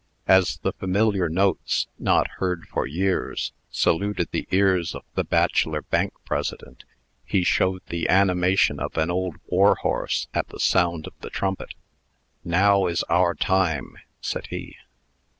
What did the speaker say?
As the familiar notes, not heard for years, saluted the ears of the bachelor Bank President, he showed the animation of an old war horse at the sound of the trumpet. "Now is our time," said he.